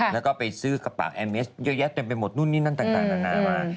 แล้วก็ไปซื้อกระเป๋าแอร์เมสเยอะแยะเต็มไปหมดนู่นนี่นั่นต่างนานามา